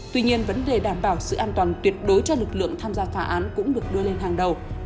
tuy nhiên vấn đề đảm bảo sự an toàn tuyệt đối cho lực lượng tham gia phá án cũng được đưa lên hàng đầu